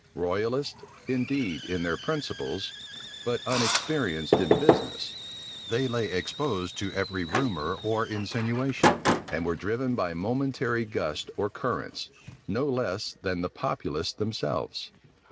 Royalists indeed in their principles, but unexperienced in business, they lay exposed to every rumor or insinuation; and were driven by momentary gusts or currents, no less than the populace themselves.